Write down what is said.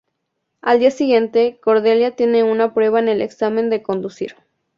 Al día siguiente Cordelia tiene una prueba en el examen de conducir.